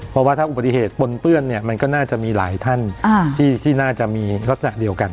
เพราะว่าถ้าอุบัติเหตุปนเปื้อนเนี่ยมันก็น่าจะมีหลายท่านที่น่าจะมีลักษณะเดียวกัน